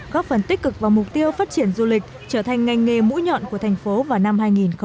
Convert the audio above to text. góp phần tích cực vào mục tiêu phát triển du lịch trở thành ngành nghề mũi nhọn của thành phố vào năm hai nghìn ba mươi